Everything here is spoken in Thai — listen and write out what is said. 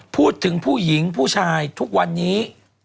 พูดถึงผู้หญิงผู้ชายทุกวันนี้